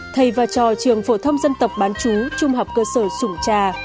thầy và trò trường phổ thông dân tộc bán chú trung học cơ sở sùng trà